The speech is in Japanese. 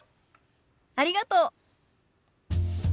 ありがとう。